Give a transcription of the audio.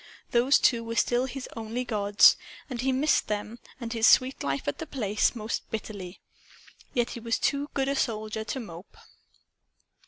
Those two were still his only gods. And he missed them and his sweet life at The Place most bitterly. Yet he was too good a soldier to mope.